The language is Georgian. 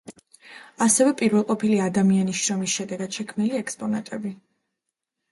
ასევე პირველყოფილი ადამიანის შრომის შედეგად შექმნილი ექსპონატები.